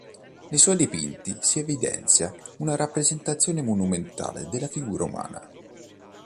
Nei suoi dipinti si evidenzia una rappresentazione monumentale della figura umana.